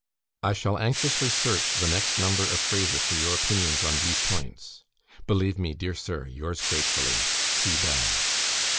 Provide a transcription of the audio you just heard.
"I shall anxiously search the next number of Fraser for your opinions on these points. Believe me, dear Sir, yours gratefully, "C. BELL."